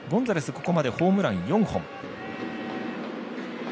ここまでホームラン４本。